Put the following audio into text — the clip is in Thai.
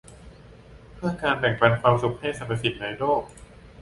เพื่อการแบ่งปันความสุขให้สรรพสิ่งในโลก